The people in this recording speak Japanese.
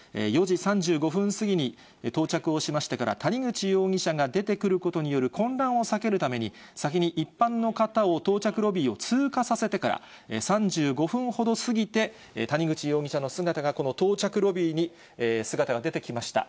４時３５分過ぎに到着をしましてから、谷口容疑者が出てくることによる混乱を避けるために先に一般の方を到着ロビーを通過させてから、３５分ほど過ぎて、谷口容疑者の姿が、この到着ロビーに姿が出てきました。